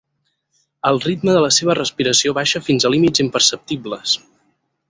El ritme de la seva respiració baixa fins a límits imperceptibles.